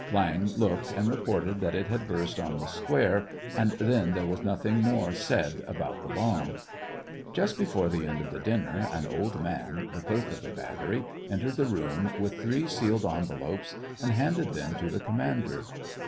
Viang looked, and reported that it had burst on the square, and then there was nothing more said about the bomb. Just before the end of the dinner, an old man, the clerk of the battery, entered the room, with three sealed envelopes, and handed them to the commander.